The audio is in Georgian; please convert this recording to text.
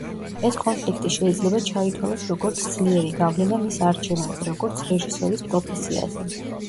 ეს კონფლიქტი შეიძლება ჩაითვალოს, როგორც ძლიერი გავლენა მის არჩევანზე, როგორც რეჟისორის პროფესიაზე.